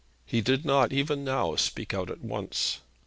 He did not even now speak out at once.